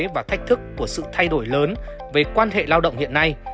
và thách thức của sự thay đổi lớn về quan hệ lao động hiện nay